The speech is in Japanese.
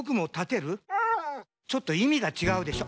ちょっといみがちがうでしょ。